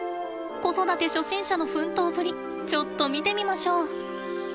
子育て初心者の奮闘ぶりちょっと見てみましょう。